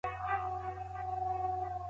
يوه باسواده مور يوه باسواده ټولنه روزي.